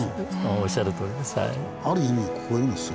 おっしゃるとおりです。